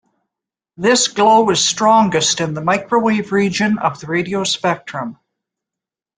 This glow is strongest in the microwave region of the radio spectrum.